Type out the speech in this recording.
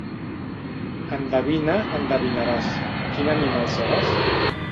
Endevina, endevinaràs, quin animal seràs.